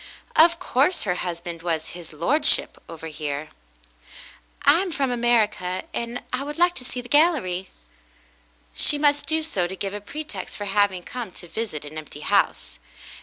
Of course her husband was "his lordship," over here. "I am from America, and I would like to see the gallery." She must do so to give a pretext for having come to visit an empty house.